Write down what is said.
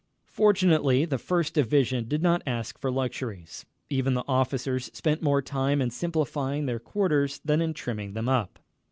Fortunately, the First Division did not ask for luxuries. Even the officers spent more time in simplifying their quarters than in trimming them up.